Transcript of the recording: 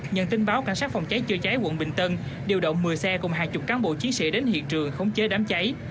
nhận tin báo cảnh sát phòng cháy chữa cháy quận bình tân điều động một mươi xe cùng hàng chục cán bộ chiến sĩ đến hiện trường khống chế đám cháy